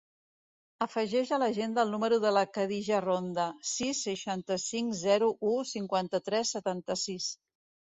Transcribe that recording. Afegeix a l'agenda el número de la Khadija Ronda: sis, seixanta-cinc, zero, u, cinquanta-tres, setanta-sis.